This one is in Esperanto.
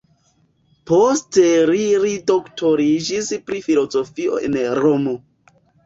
Poste li li doktoriĝis pri filozofio en Romo.